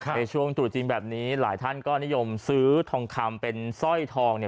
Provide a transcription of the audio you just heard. ในช่วงตรุษจีนแบบนี้หลายท่านก็นิยมซื้อทองคำเป็นสร้อยทองเนี่ย